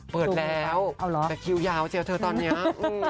เปิดแล้วแต่คิวยาวเจียวเธอตอนนี้